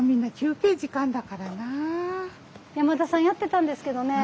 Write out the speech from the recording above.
山田さんやってたんですけどねえ。